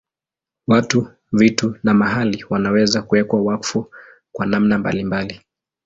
Watu, vitu na mahali wanaweza kuwekwa wakfu kwa namna mbalimbali.